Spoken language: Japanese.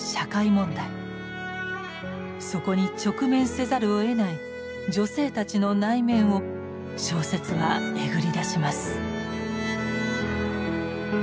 そこに直面せざるをえない女性たちの内面を小説はえぐり出します。